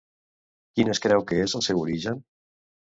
Quin es creu que és el seu origen?